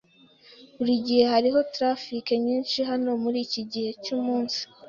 Burigihe hariho traffic nyinshi hano muriki gihe cyumunsi.